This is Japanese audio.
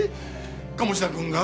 鴨志田君が？